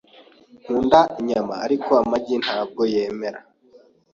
Nkunda inyama, ariko amagi ntabwo yemera.